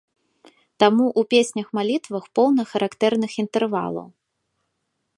Таму ў песнях-малітвах поўна характэрных інтэрвалаў.